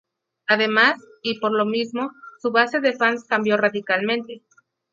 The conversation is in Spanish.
Además, y por lo mismo, su base de fans cambió radicalmente.